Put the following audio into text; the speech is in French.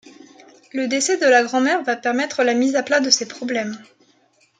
Le décès de la grand-mère va permettre la mise à plat de ses problèmes.